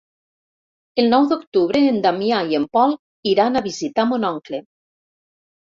El nou d'octubre en Damià i en Pol iran a visitar mon oncle.